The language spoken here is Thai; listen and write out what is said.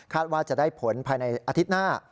ว่าจะได้ผลภายในอาทิตย์หน้า